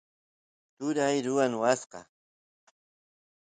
turay ruwan waska